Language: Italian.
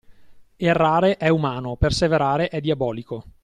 Errare è umano, perseverare è diabolico.